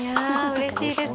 うれしいです。